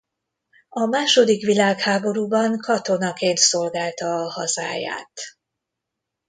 A második világháborúban katonaként szolgálta a hazáját.